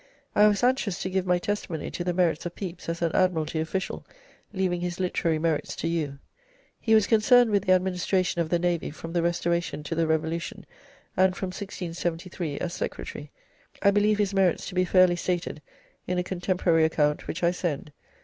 I was anxious to give my testimony to the merits of Pepys as an Admiralty official, leaving his literary merits to you. He was concerned with the administration of the Navy from the Restoration to the Revolution, and from 1673 as secretary. I believe his merits to be fairly stated in a contemporary account, which I send.